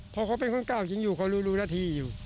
เพราะเขาเป็นคนเก่าจริงอยู่เขารู้รู้หน้าที่อยู่